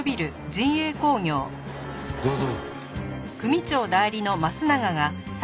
どうぞ。